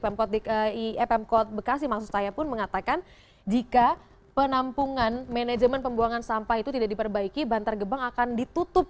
pemkot bekasi maksud saya pun mengatakan jika penampungan manajemen pembuangan sampah itu tidak diperbaiki bantar gebang akan ditutup